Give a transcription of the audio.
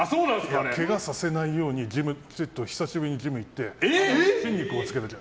けがさせないように久しぶりにジム行って筋肉をつけてきた。